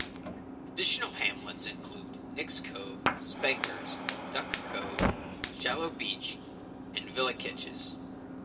Additional hamlets include Nick's Cove, Spengers, Duck Cove, Shallow Beach, and Vilicichs.